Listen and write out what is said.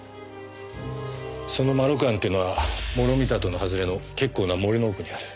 そのまろく庵っていうのは毛呂美里の外れの結構な森の奥にある。